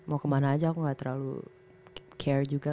mau kemana aja aku gak terlalu care juga